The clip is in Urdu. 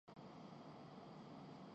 بینک میں بڑے افسر کے پاس